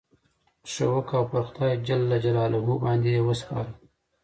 ښه وکه! او پر خدای جل جلاله باندي ئې وسپاره.